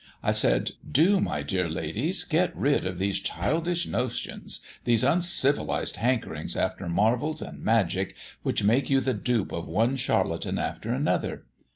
I said: 'Do, my dear ladies, get rid of these childish notions, these uncivilised hankerings after marvels and magic, which make you the dupe of one charlatan after another.